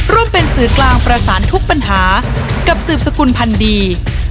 ร่วมเป็นสื่อกลางประสานทุกปัญหากับสืบสกุลพันธ์ดี